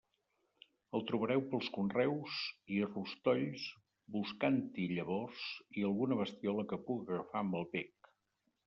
El trobareu pels conreus i rostolls buscant-hi llavors i alguna bestiola que puga agafar amb el bec.